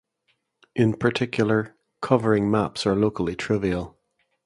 In particular, covering maps are locally trivial.